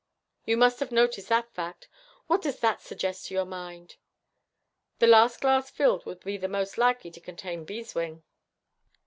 You must have noticed that fact. What does that suggest to your mind?' 'The last glass filled would be most likely to contain beeswing.'